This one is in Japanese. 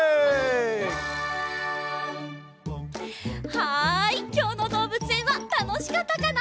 はいきょうのどうぶつえんはたのしかったかな？